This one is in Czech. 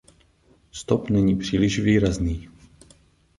Stop není příliš výrazný.